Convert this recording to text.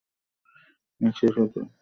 একসাথে, শব্দটির অর্থ "শেষ বলি"।